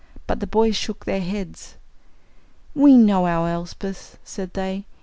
But the boys shook their heads. "We know our Elsbeth," said they.